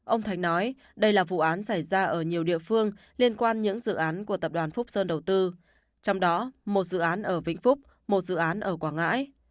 ông thạch nói đây là vụ án xảy ra ở nhiều địa phương liên quan những dự án của tập đoàn phúc sơn đầu tư trong đó một dự án ở vĩnh phúc một dự án ở quảng ngãi